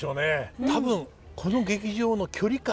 多分この劇場の距離感。